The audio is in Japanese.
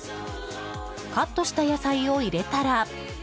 カットした野菜を入れたら。